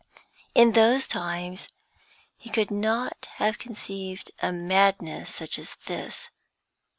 In those times he could not have conceived a madness such as this.